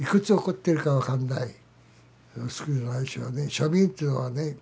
庶民っていうのはね